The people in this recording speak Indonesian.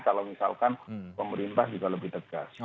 kalau misalkan pemerintah juga lebih tegas